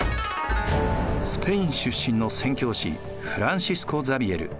スペイン出身の宣教師フランシスコ・ザビエル。